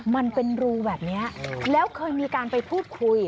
มันเป็นรูแบบนี้แล้วเคยมีการไปพูดคุย